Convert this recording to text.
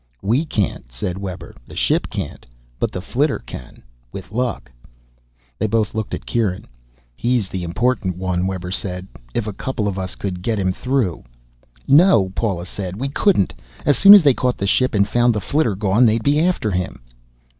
"We can't," said Webber. "The ship can't. But the flitter can, with luck." They both looked at Kieran. "He's the important one," Webber said. "If a couple of us could get him through " "No," said Paula. "We couldn't. As soon as they caught the ship and found the flitter gone, they'd be after him."